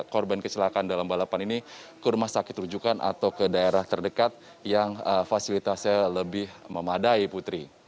korban kecelakaan dalam balapan ini ke rumah sakit rujukan atau ke daerah terdekat yang fasilitasnya lebih memadai putri